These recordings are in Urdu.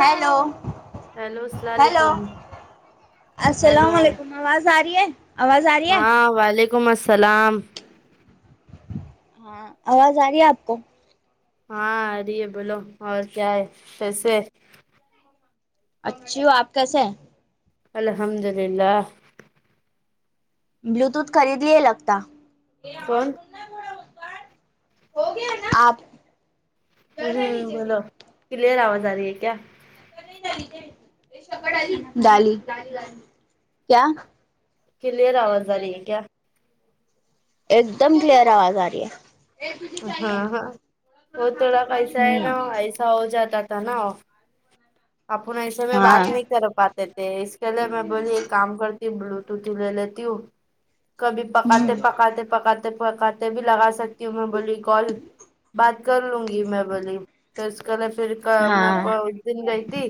ہیلو ہیلو السلام ہیلو علیکم ہیلو السلام علیکم آواز آ رہی ہے آواز آ رہی ہے یکم السلام ہاں آواز آ رہی ہے آپ کو ہاں اری ہے بولو اور کیا ہے کیسے ہے اچھی ہو آپ کیسے ہیں الحمد للہ بلوٹوتھ خرید لئے لگتا کون آپ ہ ہوں بولو کلیئر آواز آ رہی ہے کیا د الی کیا کلیئر آوازا رہی ہے کیا ایک دم کلیئر آواز آ رہی ہے ہاں ہاں وہ تھوڑا کیسا ہوں ہے نا ایسا ہو جاتا تھا نا اپنا ایسے میں ہاں بات ہوں نہیں طر پاتے تھے اس کے لیے میں بولی ایک کام کرتی ہوں بلوٹوتھ ہی لے لیتی ہوں کبھی پکاتے پکاتے پکاتے پکاتے بھی لگا سکتی ہوں میں بولی کال بات کر لوں گی میں بولی تو اس کےلئے پھر کا می ہاں پ اس دن گئی تی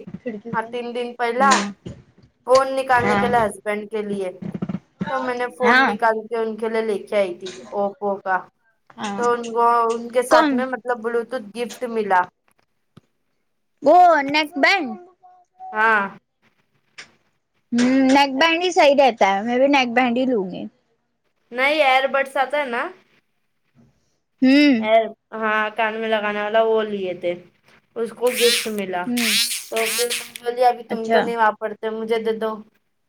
ہاں تین دن پہلا ہاں فون نکالنے ہاں کےلا ہسبینڈ کے لیے تو میں نے فون ہاں نکال کے ان کے لیے لے کے آئی تھی اوپو کا ہاں تو ان کو ان کے کون ساتھ میں مطلب بلوٹوتھ گفٹ ملا وہ نک بینڈ ہاں ہ نیک بینڈ ہی صحیح رہتا ہے میں بھی نیک بینڈ ہی لوں گی نہیں ایئر بڈس آتا ہے نا ہوں ہاں کان میں لگانے والا وہ لیے تھے اس کو گفٹ مل ہوں تو بلی اب تم تو اچھا نہیں واں پڑتے مجھے دے دو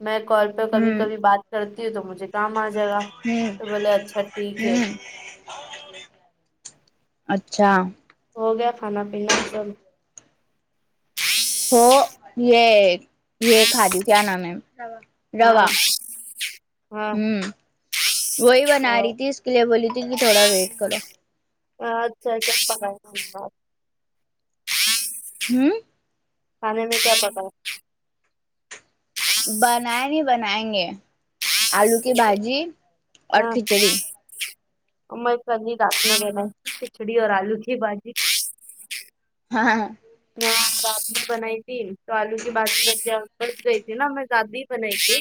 میں کال تو کبھی ہوں کبھی بات کرتی ہوں تو مجھے کام آ جائے گا ہوں تو بولے اچھا ٹھیک ہے ہوں [unintelligible] اچھا ہو گیا کھانا پینا سب ہو یہ یہ کھاادی کیا نام ہے ہاں روا ہاں ہوں وہی بنا رہی تھی اس کے لیے بولی تھی کہ تھوڑا ویٹ کرو اچھا اچھا جب پکا کے کھلو ہم کھانے میں کیا پکا ہے بنائ نہیں بنائیں گے آلو کی پکایا بھاجی اور ہاں کھچڑی میں رات میں لینا کھچڑی اور آلو کی بھجی ہاںاں میں دادی بناتی تو آلو کی بازی [inaudible] ب ا گئی تھی نا میں دادی ہی بناائیتی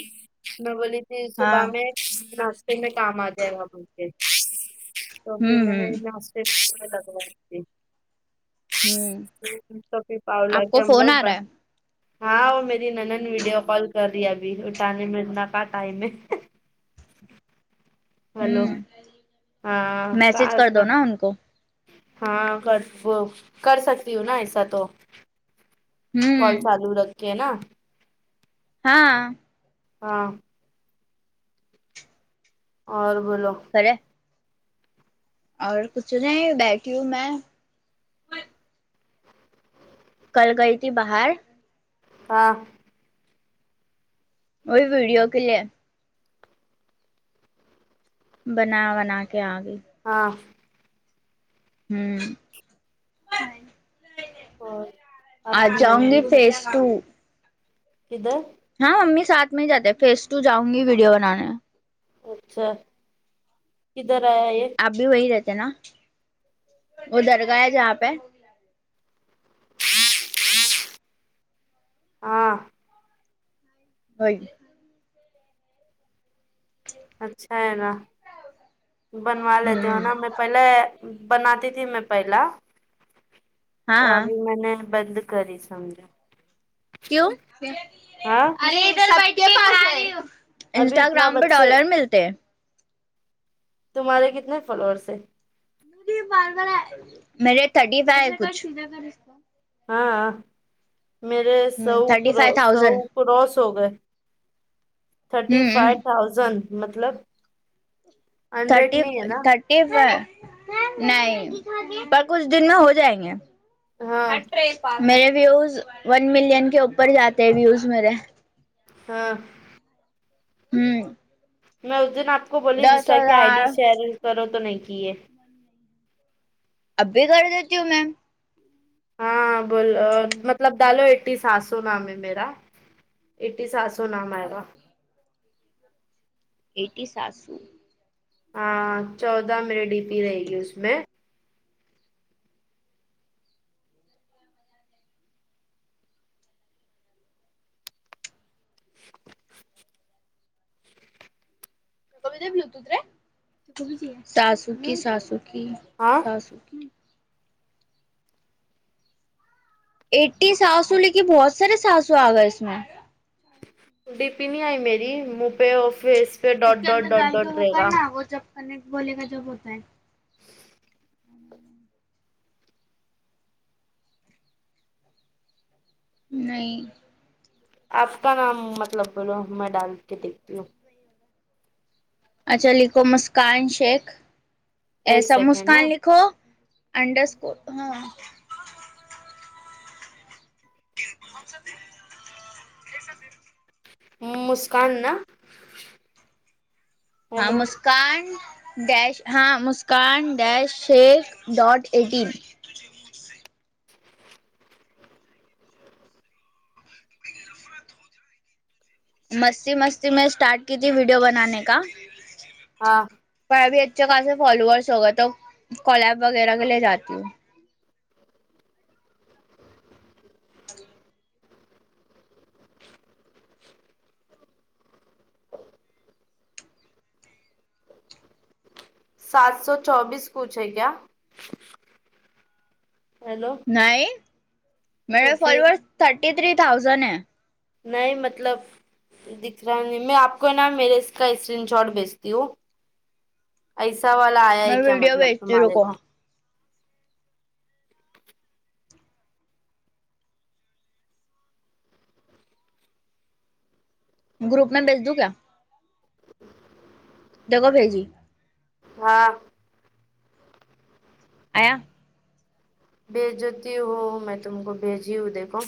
میں بولی تھی ہاں صبح میں ناشتے میں کام آ جائے گا مول کے تو پھر ہوں میں نے ہوں ناشتے میں ہوں تھی تو ابھی پاؤ آپ لگی کو ہم فون لوگ آ بن رہا ہاں وہ میری نند ویڈیو کال کر رہی ہے ابھی اٹھانے میں نہ کہ ٹائم ہے ہے ہیلو ہوں میسج کر دو نا ان کو ہاں کر وہ کر سکتی ہوں نا ایسا تو کال ہوں چالو رکھے نا ہاں ہاں اور بولو خرے اور کچھ نہیں بیٹھی ہوں میں کل گئی تھی باہر ہاں اور ویڈیو کے لیے بنا بنا کے آ گئی ہاں ہوں اور آپ آج کی جاؤں گی ممی سب فیس ٹ کدھر ہاں امی ساتھ میں ہی جات فیس ٹ جاؤں گی ویڈیو بنانے اچھا کدھر آیا یہ آپ بھی وہی رہتے نا وہ درگاہ جہاں پہ ہاں وہی ج اچھا ہے نا بنوا لیتے ہو ہوں نا ہم پہلے بناتی تھی میں پہلا تو ہاں ابھی میں نے بند کری سمجھیں کیوں ہاں ارے ادھر بیٹھ کے پکا رہی ہوں ابھی اتنا انسٹاگررام پہ بچے ڈالر ملتے تمہارے کتنے فالوورس ہیں تیز فالوورس ہے میرے تھرٹی فائی کچھ ہاں میرے سو تھرٹی کرو فائیو سو تھاؤزینڈ کراس ہو گئے تھرٹی فائیو ہوں تھاؤزینڈ مطلب ہنڈریڈ تھرٹی نہیں ہے نا تھرٹی ف نہیں پر کچھ دن میں ہو جائیں گے ہاں میرے ویوز ون ملین کے اوپر جاتے ہیں ویوز میرے ہاں ہوں میں اس دن آپ کو بولی انسٹا کی آئی ہزار ڈی شیئر کرو تو نہیں کیے اب بھی کر دیتی ہوں میم ہاں بول مطلب ڈالو ایٹی سسو نام ہے میرا اٹی ساسو نام ہے گا ایٹی ساسو ہاں چودہ میرے ڈی پی رہے گی اس میں ساسکی ساسکی ہاں ساسکی ایٹی ساسو لکھی بہت سارے ساسو آ گئے اس میں ٹی پی نہیں آئی میری مو پے اور فیس پے ڈاٹ ڈاٹ ڈاٹ ڈاٹ رہے گا کنکٹ بولے کا جب ہوتا ہے نہیں آپ کا نام مطلب بولو میں ڈال کے دیکھتی ہوں اچھا لکھو مسکان شیخ ایک ایسا سیکنڈ مسکان ہاں لکھو انڈرک اسکو ہاں [unintelligible] مسکان نا ہاں ہیلو مست مسکان ڈیش ہاں Muskan dash shake dot eighteen مستی مستی میں اسٹارٹ کی تھی ویڈیو بنانے کا ہاں پر ابھی اچھے خاص فالوورس ہو گئے تو کالپ وغیرہ کے لے جاتی ہوں ا [unintelligible] سات سو چوبیس کچھ ہے کیا ہیلو نہیں تو میرے پھر فلورس تھرٹی تھری تھاؤزنڈ ہے نہیں مطلب دکھ رہا نہیں میں آپ کو نا میرے اس کا اسکرین شاٹ بھیجتی ہوں ایسا والا آیا ہے میں کیا ویڈیو مطلب بھیجتی ہوں، تمہارے رکو کو گروپ میں بجھ دوں کیا دیکھو بھیجی ہاں آیا بھیج دیتی ہوں میں تم کو بھیجی ہوں دیکھو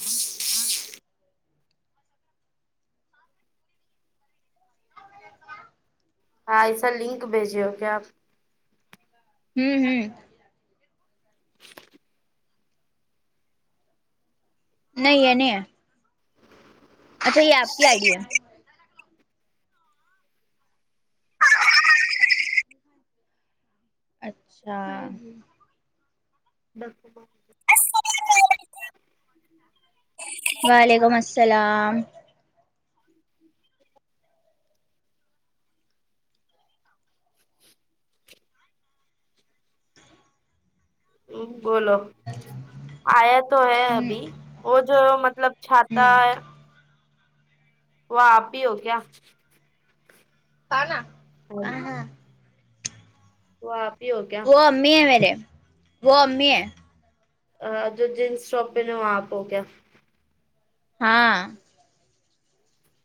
ہاں ایسا لنک بھیجیے ہو کیا آپ ہوں ہوں نہیں یہ نہیں ہے اچھا یہ آپ کی آئیڈی ہے اچھا دس ب [unintelligible] وعلیکم السلام بولو اچا [unintelligible] آیا تو ہے ابھی وہ جو مطلب چھاتا ہوں ہے وہ آپ ہی ہو کیا پ ن ہاں [unintelligible] وہ آپ ہی ہو کیا وہ امی ہیں میرے وہ امی ہیں جو جینس شاپ پہ نے وہاں آپ کو کیا ہاں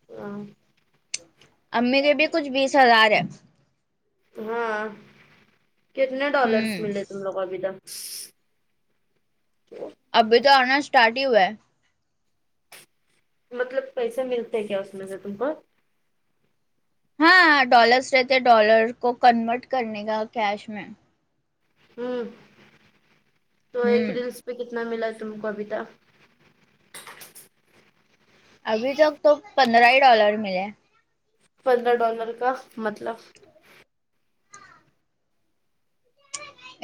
[unintelligible] امی کے بھی کچھ بیس ہزار ہے ہاں کتنے ڈالرس ہوں ملے تم لوگ کو ابھی تک تو ابھی تو آنا اسٹارٹ ہی ہوا ہے مطلب پیسے ملتے کیا اس میں سے تم کو ہاں ڈالرس رہتے ڈالر کو کنورٹ کرنے کا کیش میں ہوں تو ایک ہوں ریلس پہ کتنا ملا تم کو ابھی تک ابھی تک تو پندرہ ہی ڈالر ملے ہیں پندرہ ڈالر کا مطلب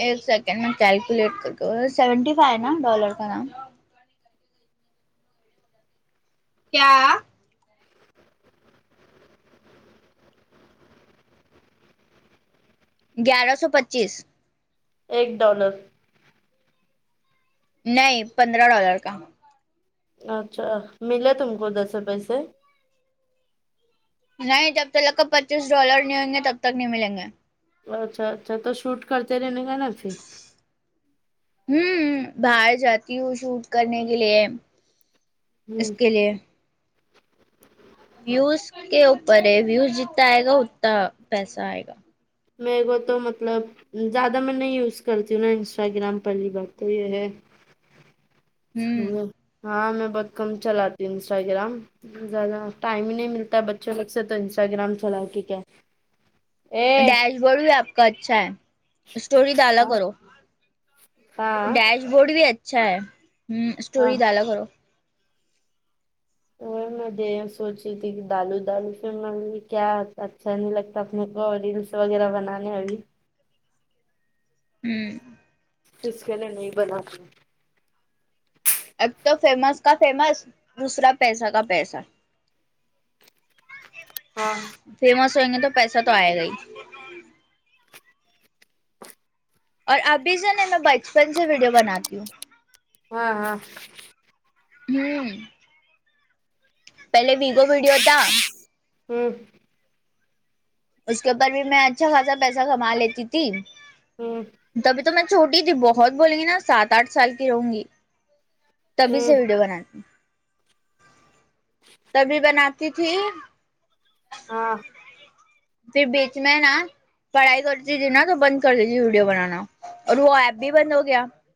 ایک سکینڈ میں کلکو لٹ کر بولتی سیون ٹی فائیو ہے نہ ڈالر کا نام کیا گیارہ سو پچیس ایک ڈالر نہیں پندرہ ڈالر کا اچھا ملا تم کو ادھر سے پیسے نہیں جب تللک کا پچیس ڈالر نہیں ہونگے تب تک نہیں ملیں گے اچھا اچھا تو شوٹ کرتے رہنے کا نا پھر ہوں باہر جاتی ہوں شوٹ کرنے کے لیے ہ اس کے لیے ویوز کے اوپر ہے ویوز جتتا آئے گا اتتا پیسہ آئے گا میں وہ تو مطلب زیادہ مے میں یوز کرتی ہوں نا انسٹاگرام پہلی بات تو یہ ہے ہوں ہاں میں بہت کم چلاتی ہوں انسٹاگرام زیادہ ٹائم ہی نہیں ملتا بچے الگ سے تو انسٹاگرام چلاکے کیا اے ڈیش بولڈ بھی آپ کا اچھا ہے اسٹوری دالا کرو ہاں ڈیش بورڈ بھی اچھا ہے ہوں ہاں اسٹوری دالا کرو وہ میں دے سوچ رہی تھی کہ دالو دالو فر میں بولی کیا اچھا نہیں لگتا اپنے کو اور ریل وغیرہ بنانے ای ہوں اس کے لیے نہیں بناتی اب تو فیمس کا فیمس دوسرا پیسہ کا پیسہ ہاں فیمس ہوئیں گے تو پیسہ تو آئے گا ہی اور ابھی سے نی میں بچپن سے ویڈیو بناتی ہوں ہاں ہاں ہ پہلے ویگو ویڈیو تھا ہوں اس کے اوپر بھی میں اچھا خاصا پیسہ کما لیتی تھی ہوں تبھی تو میں چھوٹی تھی بہت بولیں گی نا سات آٹھ سال کی رہونگی تبھی سے ہوں ویڈیو بنانیی تبھی بناتی تھی ہاں پھر بیچ میں نا پڑھائی کرتی تھی نا تو بند کر دی تی ویڈیو بنانا اور وہ ایپ بھی بند ہو گیا